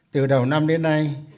từ đầu năm đến nay